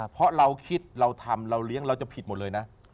เพราะเราคิดเราทำเราเลี้ยงเราจะผิดหมดเลยนะ